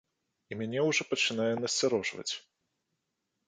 І мяне ўжо пачынае насцярожваць.